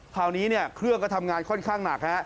คราวนี้เครื่องก็ทำงานค่อนข้างหนัก